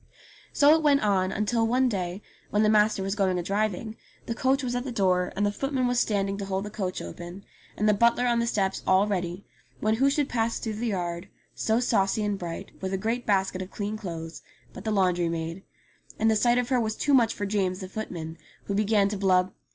So it went on until one day when the master was going a driving, the coach was at the door, and the footman was 70 ENGLISH FAIRY TALES standing to hold the coach open, and the butler on the steps all ready, when who should pass through the yard, so saucy and bright, with a great basket of clean clothes, but the laundry maid. And the sight of her was too much for James, the footman, who began to blub.